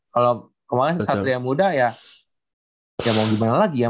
kalau kemarin satria muda ya mau gimana lagi ya